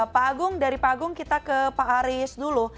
pak agung dari pak agung kita ke pak haris dulu